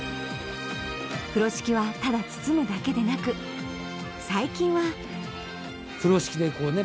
風呂敷はただ包むだけでなく最近は風呂敷でこうね